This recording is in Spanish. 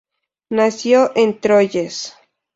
Nació en Troyes.